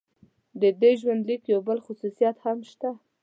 د دې ژوندلیک یو بل خصوصیت هم شته.